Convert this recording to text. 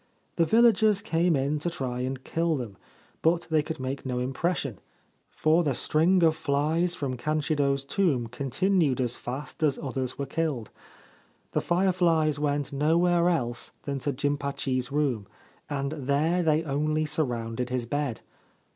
The villagers came in to try and kill them ; but they could make no impression, for the string of flies from 285 Ancient Tales and Folklore of Japan Kanshiro's tomb continued as fast as others were killed. The fireflies went nowhere else than to Jimpachi's room, and there they only surrounded his bed.